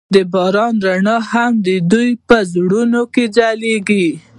د باران رڼا هم د دوی په زړونو کې ځلېده.